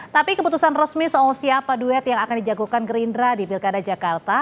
tapi keputusan resmi soal siapa duet yang akan dijagokan gerindra di pilkada jakarta